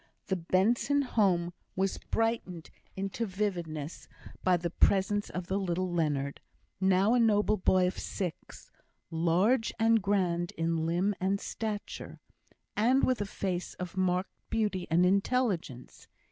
The Benson home was brightened into vividness by the presence of the little Leonard, now a noble boy of six, large and grand in limb and stature, and with a face of marked beauty and intelligence.